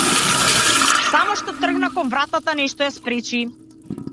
Само што тргна кон вратата нешто ја спречи.